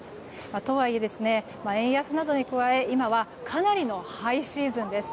とはいえ、円安などに加え今はかなりのハイシーズンです。